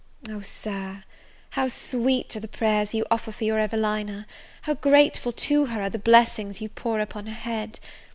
Oh, Sir, how sweet are the prayers you offer for your Evelina! how grateful to her are the blessings you pour upon her head!